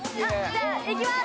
じゃいきます！